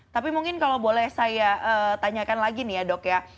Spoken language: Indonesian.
tapi mungkin kalau boleh saya tanyakan lagi nih ya dok ya